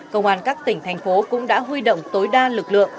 công an các tỉnh thành phố cũng đã huy động tối đa lực lượng